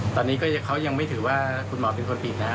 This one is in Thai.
ตอนนี้เขายังไม่ถือว่าคุณหมอเป็นคนผิดนะ